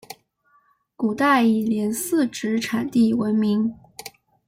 古代以连四纸产地闻名。